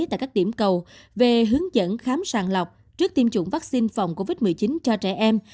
tại các điểm cầu về hướng dẫn khám sàng lọc trước tiêm chủng vaccine phòng covid một mươi chín cho trẻ em